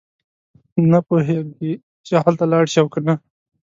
نه پوهېږي چې هلته لاړ شي او کنه.